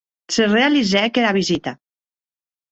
Se realizèc era visita.